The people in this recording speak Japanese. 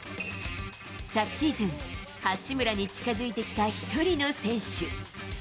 昨シーズン、八村に近づいてきた１人の選手。